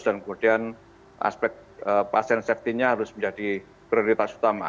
kemudian aspek pasien safety nya harus menjadi prioritas utama